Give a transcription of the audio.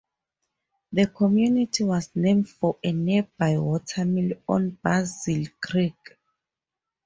The community was named for a nearby watermill on Bazile Creek.